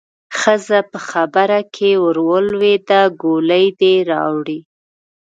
ښځه په خبره کې ورولوېده: ګولۍ دې راوړې؟